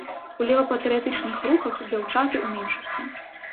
У лева-патрыятычных рухах, дзяўчаты ў меншасці.